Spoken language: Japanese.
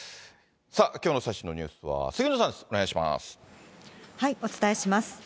さあ、きょうの最新のニュースは杉野さんです、お伝えします。